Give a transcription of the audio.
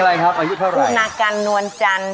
เอาล่ะครับมาจากตามรุ่นน้อยคุณนี้